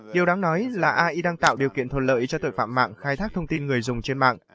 điều đáng nói là ai đang tạo điều kiện thuận lợi cho tội phạm mạng khai thác thông tin người dùng trên mạng